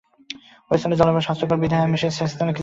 ঐ স্থানের জলবায়ু স্বাস্থ্যকর বিধায় আমি সেস্থানে কিছুদিন ছিলাম।